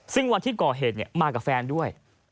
ซึ่งวันที่ก่อเหตุมากับแฟนด้วย